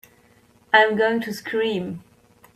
I'm going to scream!